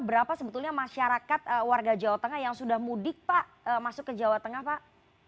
berapa sebetulnya masyarakat warga jawa tengah yang sudah mudik pak masuk ke jawa tengah pak